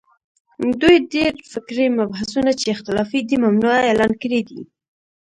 دوی ډېر فکري مبحثونه چې اختلافي دي، ممنوعه اعلان کړي دي